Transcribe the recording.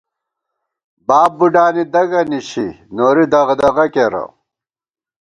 باب بُوڈانی دَگہ نِشی ، نوری دغدغہ کېرہ